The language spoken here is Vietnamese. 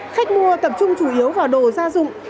khách mua tập trung chủ yếu vào đồ gia dụng